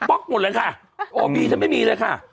ล็อกหมดเลยค่ะโอบีฉันไม่มีเลยค่ะ